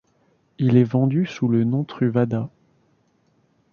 Il est vendu sous le nom Truvada.